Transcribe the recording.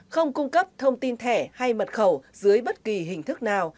không cung cấp thông tin thẻ hay mật khẩu dưới bất kỳ hình thức nào